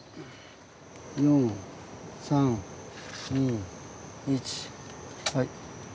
４３２１はい。